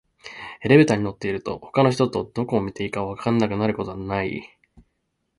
エレベーターに乗ってると、他の人とどこを見ていたらいいか分からなくなることない？